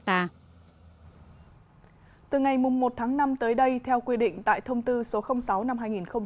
từ ngày một tháng năm tới đây theo quy định tại thông tư số sáu năm hai nghìn một mươi ba